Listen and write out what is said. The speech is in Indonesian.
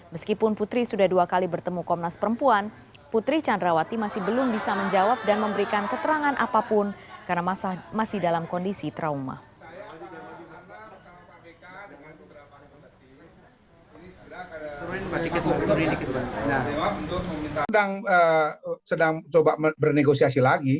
meskipun putri sudah dua kali dikutuk komnas ham masih tetap bernegosiasi